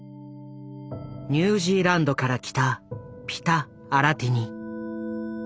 ニュージーランドから来たピタ・アラティニ。